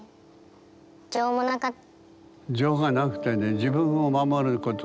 情もなかった。